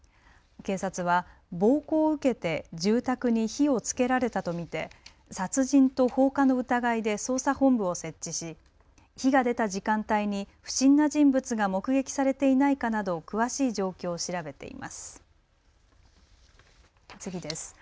警察は暴行を受けて住宅に火をつけられたと見て殺人と放火の疑いで捜査本部を設置し火が出た時間帯に不審な人物が目撃されていないかなど詳しい状況を調べています。